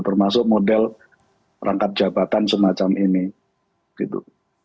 termasuk model rangkap jabatan semacam ini gitu